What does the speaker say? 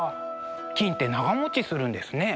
金って長もちするんですね。